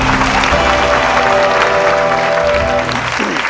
ไม่ใช้ครับ